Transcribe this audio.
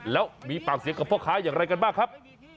แล้วมีปากเสียงกับพ่อค้าอย่างไรกันบ้างครับ